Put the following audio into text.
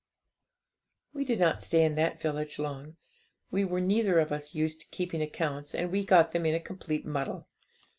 'We did not stay in that village long; we were neither of us used to keeping accounts, and we got them in a complete muddle.